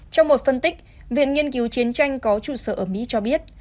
trong một phân tích viện nghiên cứu chiến tranh có trụ sở ở mỹ cho biết